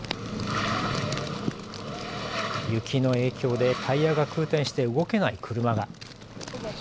雪の影響でタイヤが空転して動けない車が。